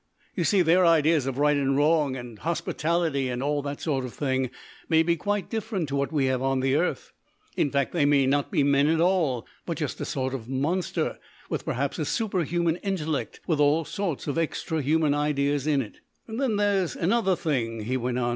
You see, their ideas of right and wrong and hospitality and all that sort of thing may be quite different to what we have on the earth. In fact, they may not be men at all, but just a sort of monster with perhaps a superhuman intellect with all sorts of extra human ideas in it. "Then there's another thing," he went on.